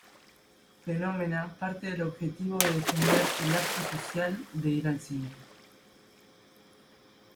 Phenomena parte del objetivo de defender el "acto social" de ir al cine.